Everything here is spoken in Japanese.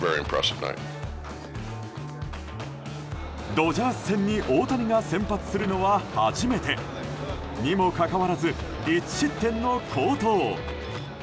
ドジャース戦に大谷が先発するのは初めて。にもかかわらず１失点の好投。